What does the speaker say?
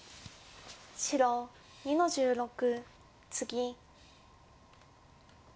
白２の十六ツギ。